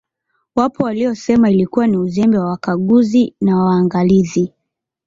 Wapo waliosema ilikuwa ni Uzembe wa Wakaguzi wa na Waangalizi